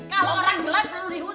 kalo orang jelek perlu diusir